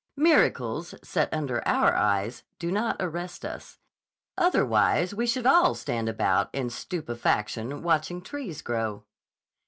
Miracles, set under our eyes, do not arrest us. Otherwise we should all stand about in stupefaction watching trees grow.